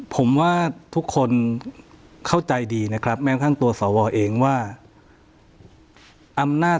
ผมว่าทุกคนเข้าใจดีนะครับแม้กระทั่งตัวสวเองว่าอำนาจ